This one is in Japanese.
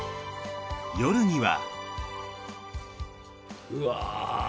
夜には。